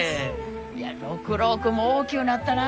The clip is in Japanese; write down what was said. いや六郎君も大きゅうなったなあ。